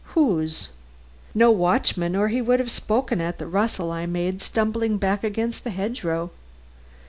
Whose? No watchman, or he would have spoken at the rustle I made stumbling back against the hedge row.